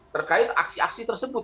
terkait aksi aksi tersebut